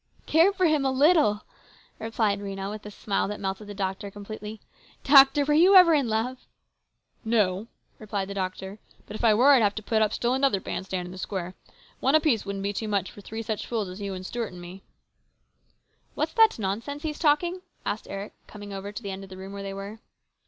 " Care for him a little !" replied Rhena with a smile that melted the doctor completely. " Doctor, were you ever in love ?"" No," replied the doctor ;" but if I were, I'd have to put up still another band stand in the square. One apiece wouldn't be too much for three such fools as you and Stuart and me." " What's that nonsense he's talking ?" asked Eric, coming over to the end of the room where they were.